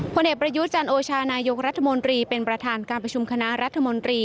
ผลเอกประยุทธ์จันโอชานายกรัฐมนตรีเป็นประธานการประชุมคณะรัฐมนตรี